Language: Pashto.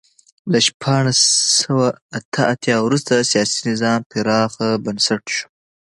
له شپاړس سوه اته اتیا وروسته سیاسي نظام پراخ بنسټه شو.